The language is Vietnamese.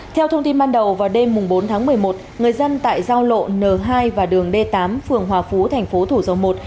theo thông tin ban đầu vào đêm bốn tháng một mươi một người dân tại giao lộ n hai và đường d tám phường hòa phú thành phố thủ dầu một